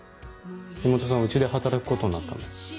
妹さんうちで働くことになったんだよ。